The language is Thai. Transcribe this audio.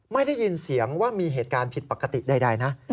ไม่ได้ยินเสียงว่ามีเหตุการณ์ผิดปกติใดนะ